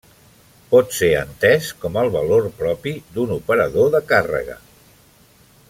Pot ser entès com el valor propi d'un operador de càrrega.